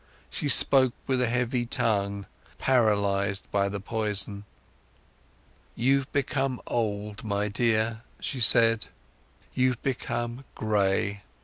She spoke with a heavy tongue, paralysed by the poison. "You've become old, my dear," she said, "you've become gray.